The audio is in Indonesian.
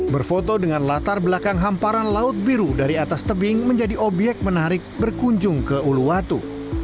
berfoto dengan latar belakang hamparan laut biru dari atas tebing menjadi obyek menarik berkunjung ke uluwatu